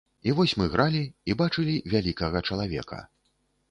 І вось мы гралі і бачылі вялікага чалавека.